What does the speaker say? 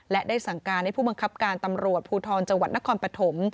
และได้สั่งการให้ผู้บังคับการตำรวจภูทรจังหวัดนครปฐม